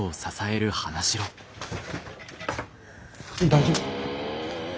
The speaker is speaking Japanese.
大丈夫？